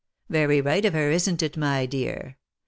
Very right of her, isn't it, my dear?